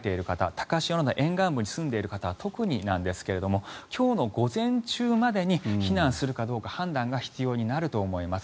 高潮など沿岸部に住んでいる方は特になんですが今日の午前中までに避難するかどうか判断が必要になると思います。